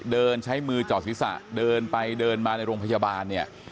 เดินใช้มือเจาะศีรษะเดินไปเดินมาในโรงพยาบาลเนี่ย